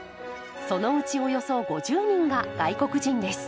そのうちおよそ５０人が外国人です。